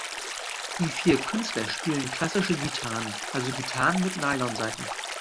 Die vier Künstler spielen "klassische" Gitarren, also Gitarren mit Nylonsaiten.